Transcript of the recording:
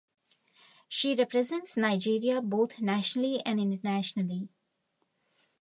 She represents Nigeria both nationally and internationally.